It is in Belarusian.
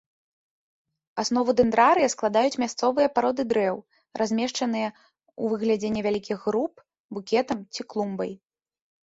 Аснову дэндрарыя складаюць мясцовыя пароды дрэў, размешчаныя ў выглядзе невялікіх груп, букетам ці клумбай.